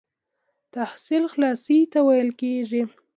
تلخیص خلاصې ته ويل کیږي.